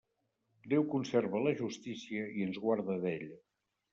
Déu conserve la justícia i ens guarde d'ella.